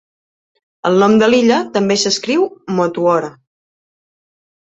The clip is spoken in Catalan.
El nom de l'illa també s'escriu "Motuhora".